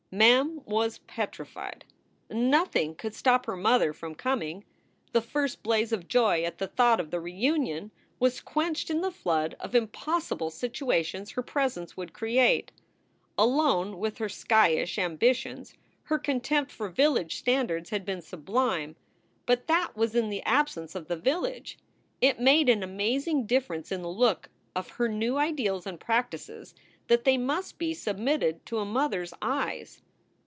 Mem was petrified. Nothing could stop her mother from coming. The first blaze of joy at the thought of the reunion was quenched in the flood of impossible situations her presence would create. Alone with her skyish ambitions, her contempt for village standards had been sublime. But that was in the absence of the village. It made an amazing difference in the look of her new ideals and practices that they must be submitted to a mother s eyes.